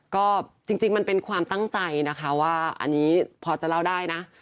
ก็จริงมันเป็นความตั้งใจนะคะว่าอันนี้พอจะเล่าได้นะ